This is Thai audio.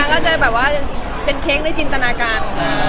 ก็จะแบบว่าเป็นเค้กในจินตนาการ